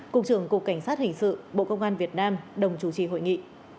cục trưởng cục cảnh sát hình sự bộ công an việt nam đồng chủ trì hội nghị